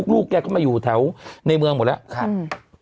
ลูกแกเข้ามาอยู่แถวในเมืองหมดแล้ว